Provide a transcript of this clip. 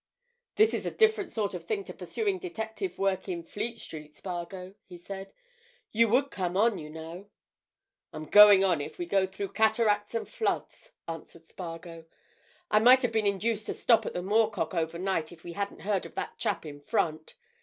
"This is a different sort of thing to pursuing detective work in Fleet Street, Spargo," he said. "You would come on, you know." "I'm going on if we go through cataracts and floods," answered Spargo. "I might have been induced to stop at the 'Moor Cock' overnight if we hadn't heard of that chap in front.